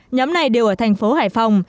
nhóm này đều ở thành phố hải phòng